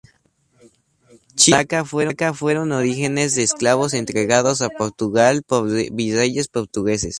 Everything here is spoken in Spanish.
China y Malaca fueron orígenes de esclavos entregados a Portugal por virreyes portugueses.